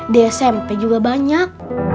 di smp juga banyak